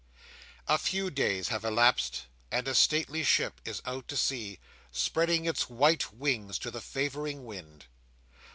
A few days have elapsed, and a stately ship is out at sea, spreading its white wings to the favouring wind.